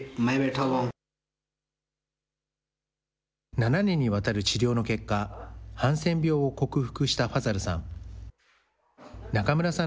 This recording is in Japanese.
７年にわたる治療の結果、ハンセン病を克服したファザルさん。